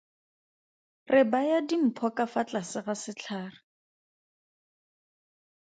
Re baya dimpho ka fa tlase ga setlhare.